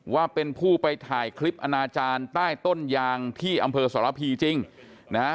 ว่าเป็นผู้ไปถ่ายคลิปอนาจารย์ใต้ต้นยางที่อำเภอสรพีจริงนะฮะ